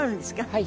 はい。